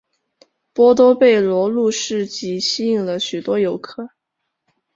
波多贝罗路市集吸引了许多游客。